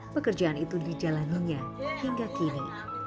pekerjaan itu dijalaninya hingga kini